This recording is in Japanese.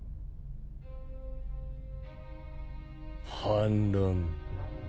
反乱？